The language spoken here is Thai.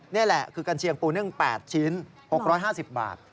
นี่แหละคือกัญเชียงปูนึ่ง๘ชิ้น๖๕๐บาท